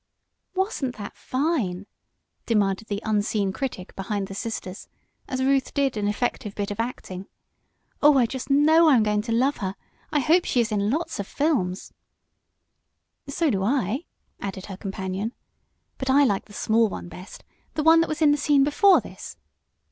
"Wasn't that fine?" demanded the unseen critic behind the sisters, as Ruth did an effective bit of acting. "Oh, I know I'm just going to love her. I hope she is in lots of films." "So do I," added her companion. "But I like the small one best the one that was in the scene before this."